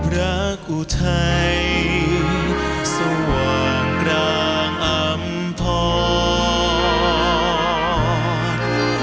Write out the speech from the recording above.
รักอุทัยสว่างรางอำพอร์